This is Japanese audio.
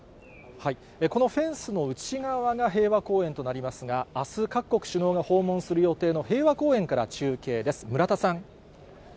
このフェンスの内側が平和公園となりますが、あす、各国首脳が訪問する予定の平和公園から中継です。